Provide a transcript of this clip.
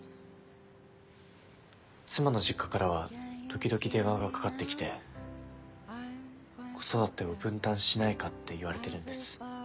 妻の実家からは時々電話がかかってきて子育てを分担しないかって言われてるんです。